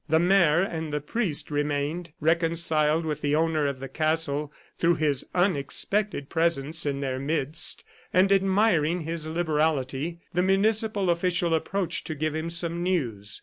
The mayor and the priest remained. Reconciled with the owner of the castle through his unexpected presence in their midst, and admiring his liberality, the municipal official approached to give him some news.